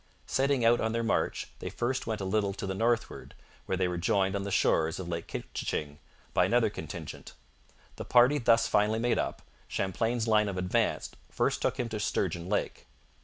Setting out on their march, they first went a little to the northward, where they were joined on the shores of Lake Couchiching by another contingent. The party thus finally made up, Champlain's line of advance first took him to Sturgeon Lake.